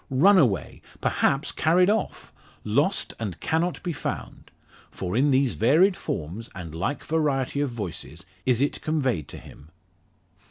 run away! perhaps carried off! lost, and cannot be found! For in these varied forms, and like variety of voices, is it conveyed to him.